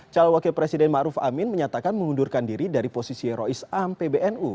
calon wakil presiden ma'ruf amin menyatakan mengundurkan diri dari posisi rois am pbnu